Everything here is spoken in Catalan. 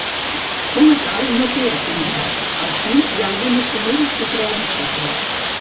Com a tal no té activitat; al cim, hi ha algunes fumeres que treuen sofre.